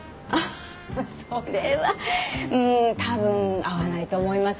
それは多分合わないと思います